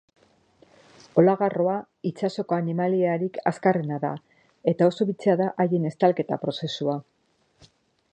Olagarroa itsasoko animaliarik azkarrena da, eta oso bitxia da haien estalketa-prozesua.